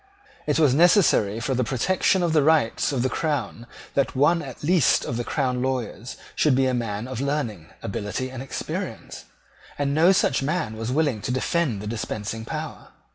It was necessary for the protection of the rights of the crown that one at least of the crown lawyers should be a man of learning, ability, and experience; and no such man was willing to defend the dispensing power.